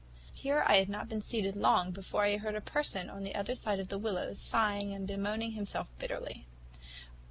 Here I had not been seated long before I heard a person on the other side of the willows sighing and bemoaning himself bitterly.